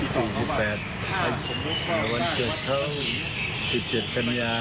พี่พ่อจะบอก